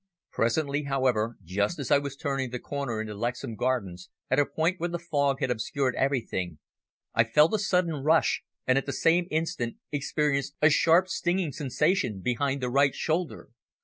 Presently, however, just as I was turning the corner into Lexham Gardens at a point where the fog had obscured everything, I felt a sudden rush, and at the same instant experienced a sharp stinging sensation behind the right shoulder.